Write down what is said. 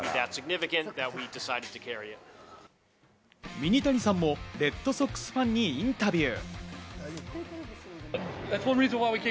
ミニタニさんもレッドソックスファンにインタビュー。